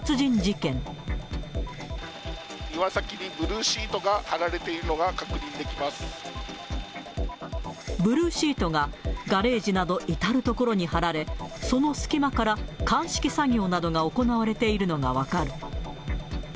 庭先にブルーシートが張られブルーシートがガレージなど至る所に張られ、その隙間から鑑識作業などが行われているのが分かる。